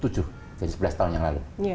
sebelas tahun yang lalu